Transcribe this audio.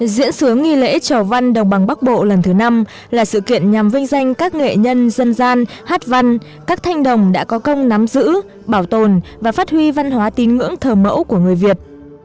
diễn sướng nghi lễ trò văn đồng bằng bắc bộ lần thứ năm là sự kiện nhằm vinh danh các nghệ nhân dân gian hát văn các thanh đồng đã có công nắm giữ bảo tồn và phát huy văn hóa tín ngưỡng thờ mẫu của người việt